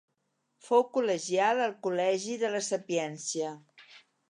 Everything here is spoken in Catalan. Fou col·legial al col·legi de la Sapiència.